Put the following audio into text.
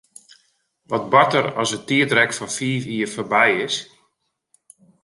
Wat bart der as it tiidrek fan fiif jier foarby is?